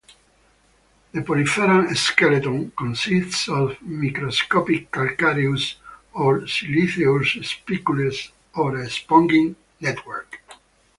The poriferan 'skeleton' consists of microscopic calcareous or siliceous spicules or a spongin network.